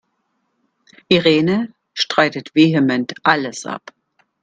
Irene streitet vehement alles ab.